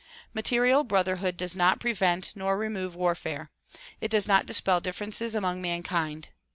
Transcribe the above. Material brotherhood does not prevent nor remove warfare; it does not dispel differences among mankind.